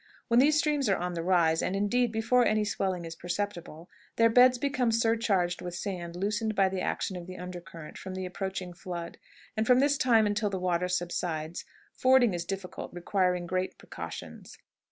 When these streams are on the rise, and, indeed, before any swelling is perceptible, their beds become surcharged with the sand loosened by the action of the under current from the approaching flood, and from this time until the water subsides fording is difficult, requiring great precautions.